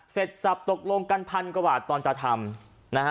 เสร็จจับตกลงกันพันกว่าตอนจะทำ